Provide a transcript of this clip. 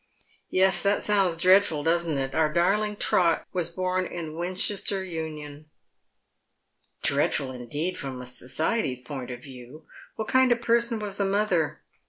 Yes, that sounds dread ful, doesn't it? Our darhng Trot was bom in Winchester Union." " Dreadful indeed from society's point of view. What kind of person was the mother